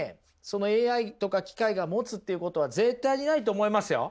そのＡＩとか機械が持つっていうことは絶対にないと思いますよ！